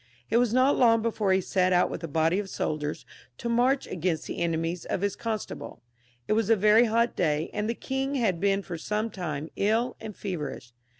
It was not long before he set out vidth a body of soldiers to march against the enemies of his constable. It was a very hot day, and the king had been for some time ill and feverish.